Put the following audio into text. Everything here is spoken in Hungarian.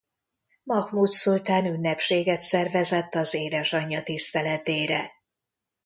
Mahmud szultán ünnepséget szervezett az édesanyja tiszteletére.